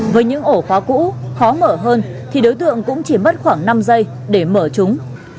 với những ổ khóa cũ khó mở hơn thì đối tượng cũng chỉ mất khoảng năm giây để mở chúng